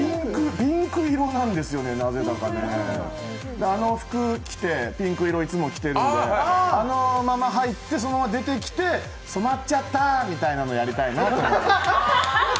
ピンク色なんですよね、なぜだかねあの服着て、ピンク色、いつも着てるんで、あのまま入って、そのまま出てきて、「染まっちゃった」みたいなのをやりたいな。